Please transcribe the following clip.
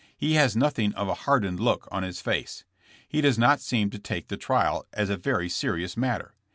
He has nothing of a hardened look on his face. He does not seem to take the trial as a very serious matter.